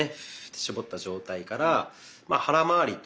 絞った状態から腹まわりと。